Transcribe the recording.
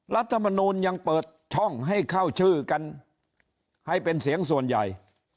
รัฐมนูลยังเปิดช่องให้เข้าชื่อกันให้เป็นเสียงส่วนใหญ่